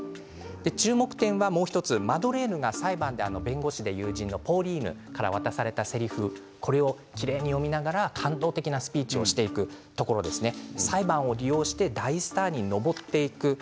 注目点はもう１つマドレーヌが裁判で弁護士の友人のポーリーヌに渡されたせりふをきれいに読みながら感動的なスピーチをするところ裁判を利用して大スターにのぼっていく。